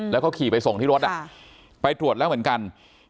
แล้วก็ขี่ไปส่งที่รถไปตรวจแล้วเหมือนกัน